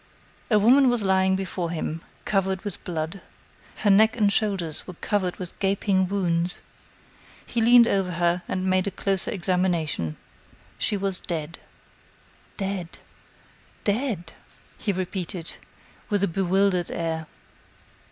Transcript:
A woman was lying before him, covered with blood. Her neck and shoulders were covered with gaping wounds. He leaned over her and made a closer examination. She was dead. "Dead! Dead!" he repeated, with a bewildered air.